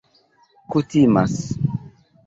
kutimas